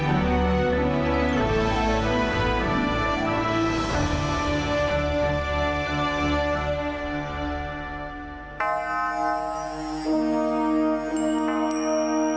บรรยายาพัทธิวัสดีพิสุทธิ์